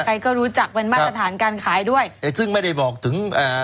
ใครก็รู้จักเป็นมาตรฐานการขายด้วยแต่ซึ่งไม่ได้บอกถึงอ่า